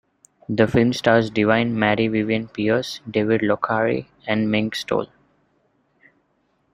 The film stars Divine, Mary Vivian Pearce, David Lochary and Mink Stole.